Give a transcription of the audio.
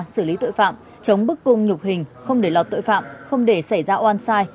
xử lý tội phạm chống bức cung nhục hình không để lọt tội phạm không để xảy ra oan sai